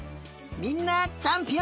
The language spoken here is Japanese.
みんなちゃんぴ